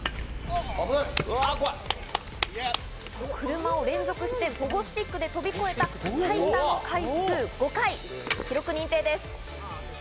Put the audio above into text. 車を連続してポゴスティックで飛んだ最多回数５回、記録認定です。